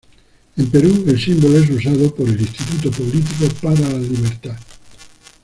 En Perú el símbolo es usado por el Instituto Político para la Libertad.